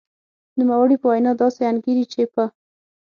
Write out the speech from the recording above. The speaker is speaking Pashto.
نوموړې په وینا داسې انګېري چې په